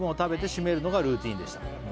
「締めるのがルーティンでした」